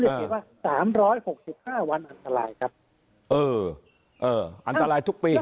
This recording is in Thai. เพียงว่าสามร้อยหกสิบห้าวันอันตรายครับเออเอออันตรายทุกปี